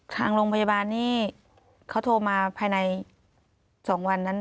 ทางโรงพยาบาลนี่เขาโทรมาภายใน๒วันนั้น